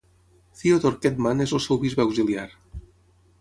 Theodor Kettmann és el seu bisbe auxiliar.